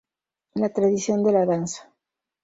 La tradición de la danza’’.